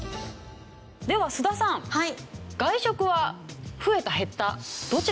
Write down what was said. では須田さん外食は増えた減ったどちらでしょう？